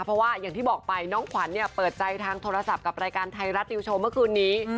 เพราะว่าอย่างที่บอกไปน้องขวัญเนี่ยเปิดใจทางโทรศัพท์กับรายการไทยรัฐนิวโชว์เมื่อคืนนี้